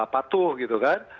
patuh gitu kan